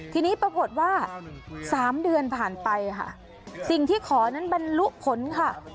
ทีนี้ปรากฏว่า๓เดือนผ่านไปค่ะสิ่งที่ขอนั้นบรรลุผลค่ะ